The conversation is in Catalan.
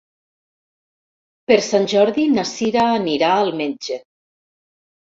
Per Sant Jordi na Sira anirà al metge.